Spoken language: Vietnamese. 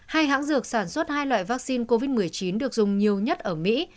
hai hãng dược sản xuất hai loại vaccine covid một mươi chín được dùng nhiều nhất ở mỹ